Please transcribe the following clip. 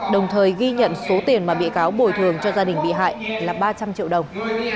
đồng thời ghi nhận số tiền mà bị cáo bồi thường cho gia đình bị hại là ba trăm linh triệu đồng